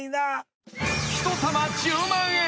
［１玉１０万円］